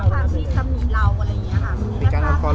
แม็กซ์ก็คือหนักที่สุดในชีวิตเลยจริง